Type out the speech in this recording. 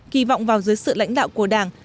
kỳ vọng vào dưới sự lãnh đạo của đảng